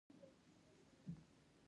چین په نړیوال اقتصاد کې کلیدي دی.